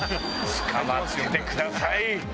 つかまっててください！